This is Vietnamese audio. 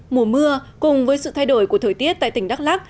mùa mưa cùng với sự thay đổi của thời tiết tại tỉnh đắk lắc